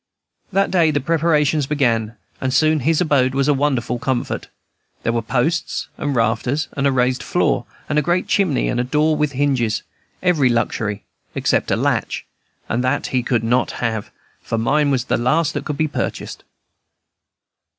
That day the preparations began, and soon his abode was a wonder of comfort. There were posts and rafters, and a raised floor, and a great chimney, and a door with hinges, every luxury except a latch, and that he could not have, for mine was the last that could be purchased.